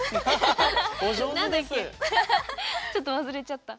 ちょっとわすれちゃった。